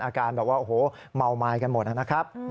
อาการแบบว่าโอ้โหเมาไม้กันหมดนะครับ